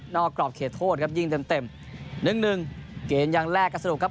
นอกกรอบเขตโทษครับยิงเต็มนึงเกณฑ์อย่างแรกก็สะดวกครับ